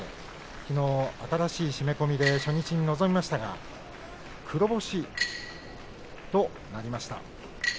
きのう新しい締め込みで初日に臨みましたが黒星となりました。